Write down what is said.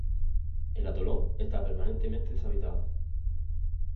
El atolón está permanentemente deshabitado.